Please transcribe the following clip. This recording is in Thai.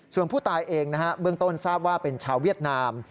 ส่วนผู้ตายเองนะฮะเบื้องต้นทราบว่าเป็นชาวเวียดนาม